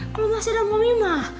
kalo masih ada momi mah